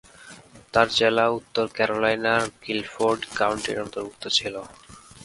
তার জেলা উত্তর ক্যারোলিনার গিলফোর্ড কাউন্টির অন্তর্ভুক্ত ছিল।